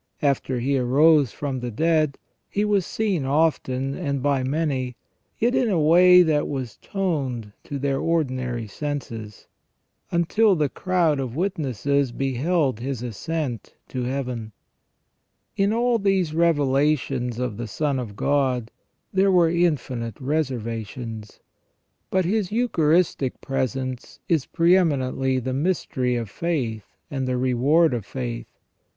After He arose from the dead. He was seen often, and by many, yet in a way that was toned to their ordinary senses, until the crowd of witnesses beheld His ascent to Heaven. In all these revelations of the Son of God there were infinite reservations. But His Eucharistic Presence is pre eminently the mystery of faith and the reward of faith.